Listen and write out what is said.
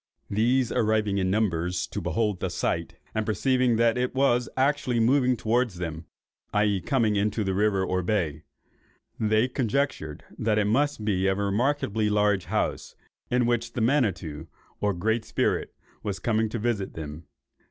These arriving in numbers to behold the sight, and perceiving that it was actually moving towards them (i.e. coming into the river or bay), they conjectured that it must be a remarkably large house, in which the Manitto (or Great Spirit), was coming to visit them.